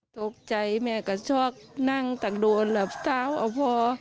ตกใจแม่ก็ช็อกนั่งตักโดนลับเต้าอ่ะพ่อ